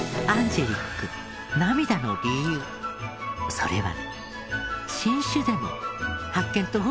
それは。